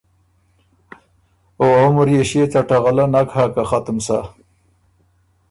او ا عمر يې ݭيې څټه غلۀ نک هۀ که ختُم سۀ